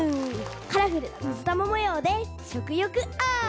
カラフルみずたまもようでしょくよくアップ！